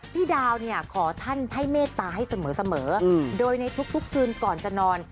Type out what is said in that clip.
พี่ดาวเนี่ยขอท่านให้เมตตาให้เสมอโดยในทุกคืนก่อนจะนอน